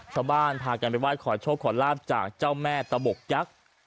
ชาวบ้านพากันไปไหว้ขอโชคขอลาบจากเจ้าแม่ตะบกยักษ์